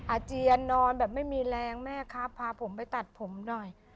อาเจียนนอนแบบไม่มีแรงแม่ครับพาผมไปตัดผมหน่อย